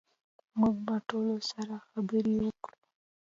موږ به ټولو سره خبرې وکړو